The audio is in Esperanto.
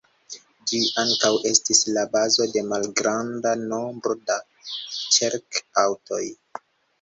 Ĝi ankaŭ estis la bazo de malgranda nombro da ĉerk-aŭtoj.